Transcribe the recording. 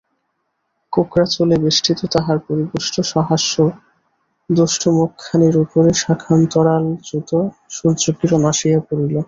কোঁকড়া চুলে বেষ্টিত তাহার পরিপুষ্ট সহাস্য দুষ্ট মুখখানির উপরে শাখান্তরালচ্যুত সূর্যকিরণ আসিয়া পড়িল।